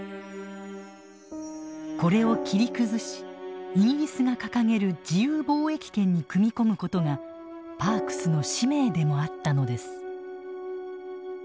これを切り崩しイギリスが掲げる自由貿易圏に組み込むことがパークスの使命でもあったのです。